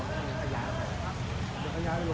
พิชู